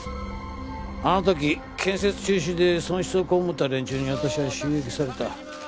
あの時建設中止で損失を被った連中に私は襲撃された。